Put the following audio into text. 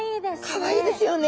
かわいいですよね。